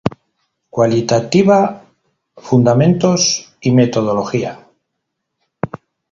Cualitativa, fundamentos y metodología.